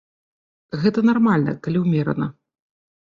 Гэта нармальна, калі ўмерана.